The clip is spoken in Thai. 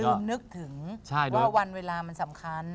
ผมนึกถึงว่าวันเวลามันสำคัญ